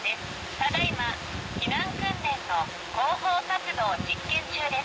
ただいま避難訓練の広報活動実験中です。